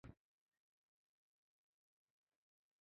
باسواده ښځې د انلاین سوداګرۍ ملاتړ کوي.